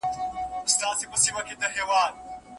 ساعت د انتيکو بازار ته يوړل سو.